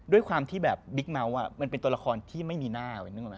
ด้วยความที่แบบบิ๊กเมาส์มันเป็นตัวละครที่ไม่มีหน้า